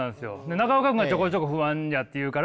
中岡君がちょこちょこ不安やって言うから。